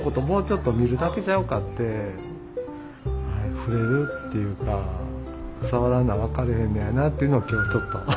もうちょっと見るだけちゃうかってふれるっていうかさわらな分かれへんねやなっていうのを今日ちょっと。